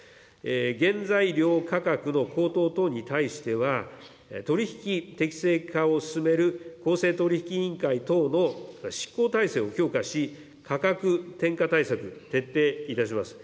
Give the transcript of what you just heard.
原材料価格の高騰等に対しては、取り引き適正化を進める公正取引委員会等の執行体制を強化し、価格転嫁対策、徹底いたします。